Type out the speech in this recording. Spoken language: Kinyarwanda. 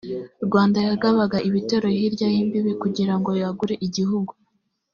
rwanda yagabaga ibitero hirya y imbibi kugira ngo yagure igihugu